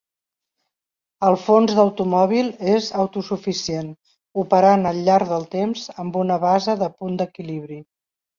El fons d'automòbil es auto suficient, operant al llarg del temps amb una base de punt d'equilibri.